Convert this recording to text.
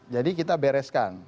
jadi kita bereskan